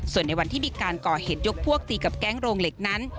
ส่วนในวันที่มีการก่อเหตุยกพวกตีกับแก๊งโรงเหล็กนั้น